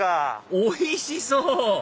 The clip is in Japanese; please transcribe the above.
おいしそう！